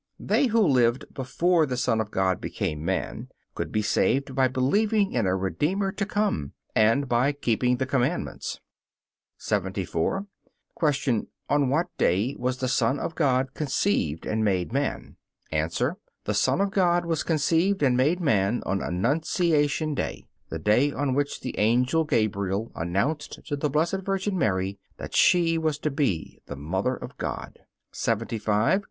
They who lived before the Son of God became man could be saved by believing in a Redeemer to come, and by keeping the commandments. 74. Q. On what day was the Son of God conceived and made man? A. The Son of God was conceived and made man on Annunciation day the day on which the Angel Gabriel announced to the Blessed Virgin Mary that she was to be the Mother of God. 75. Q.